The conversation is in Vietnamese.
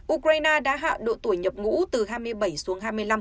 ukraine đã hạ độ tuổi nhập ngũ từ hai mươi bảy xuống hai mươi năm